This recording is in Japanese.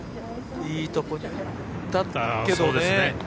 いいところに行ったけどね。